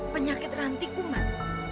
penyakit ranti kuman